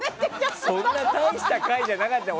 そんな大した回じゃなかったよ。